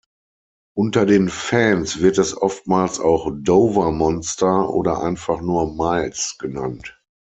Unter den Fans wird es oftmals auch „Dover Monster“ oder einfach nur „Miles“ genannt.